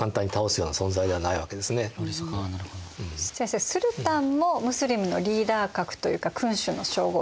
先生スルタンもムスリムのリーダー格というか君主の称号ですよね。